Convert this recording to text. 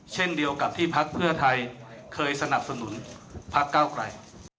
เช่นเดียวกับที่พักเพื่อไทยเคยสนับสนุนพักเก้าไกล